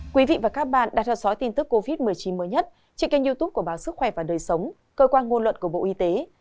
quý vị và các bạn đang theo dõi tin tức covid một mươi chín mới nhất trên kênh youtube của báo sức khỏe và đời sống cơ quan ngôn luận của bộ y tế